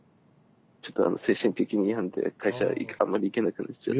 ちょっと精神的に病んで会社あんまり行けなくなっちゃって。